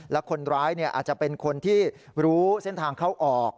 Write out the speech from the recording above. และคนร้ายอาจจะเป็นคนที่รู้เส้นทางเข้าออก